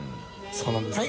そうなんですね。